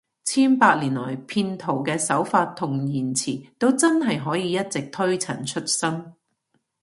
千百年來，騙徒嘅手法同言辭都真係可以一直推陳出新